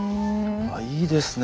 あいいですね！